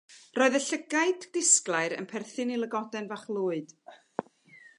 Roedd y llygaid disglair yn perthyn i lygoden fach lwyd.